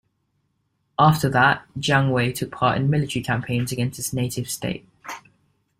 After that, Jiang Wei took part in military campaigns against his native state.